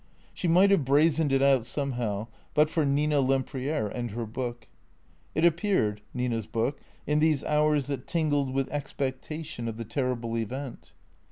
She might have brazened it out somehow but for Nina Lem priere and her book. It appeared, Nina's book, in these hours that tingled with expectation of the terrible Event.